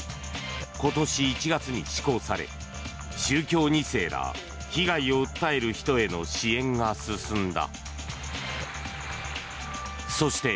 今年１月に施行され宗教２世ら被害を訴える人への支援が進んだ。